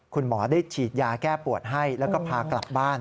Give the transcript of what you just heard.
คุณหมอได้ฉีดยาแก้ปวดให้แล้วก็พากลับบ้าน